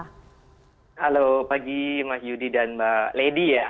halo pagi mas yudi dan mbak lady ya